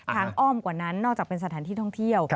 อ้อมกว่านั้นนอกจากเป็นสถานที่ท่องเที่ยว